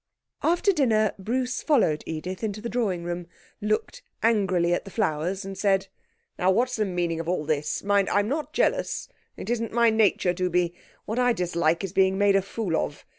After dinner Bruce followed Edith into the drawing room, looked angrily at the flowers and said 'Now what's the meaning of all this? Mind, I'm not jealous. It isn't my nature to be. What I dislike is being made a fool of.